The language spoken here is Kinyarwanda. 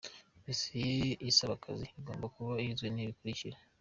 Dossier isaba akazi igomba kuba igizwe n’ibi bikurikira :.;.